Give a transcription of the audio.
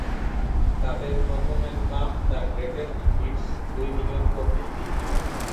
তাদের প্রথম album, "the greatest hits", দুই মিলিয়ন কপি বিক্রি হয়।